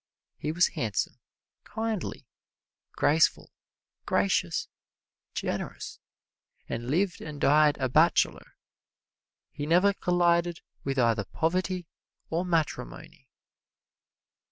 He was handsome, kindly, graceful, gracious, generous, and lived and died a bachelor. He never collided with either poverty or matrimony.